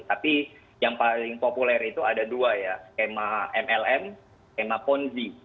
tapi yang paling populer itu ada dua ya skema mlm skema ponzi